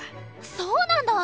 そうなんだ！